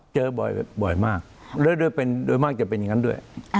เจอบ่อยมากแล้วโดยมากจะเป็นอย่างนั้นด้วย